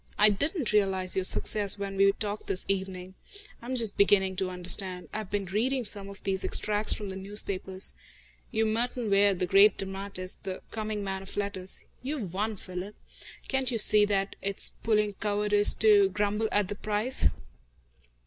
I didn't realise your success when we talked this evening. I am just beginning to understand. I've been reading some of these extracts from the newspapers. You're Merton Ware, the great dramatist, the coming man of letters. You've won, Philip. Can't you see that it's puling cowardice to grumble at the price?"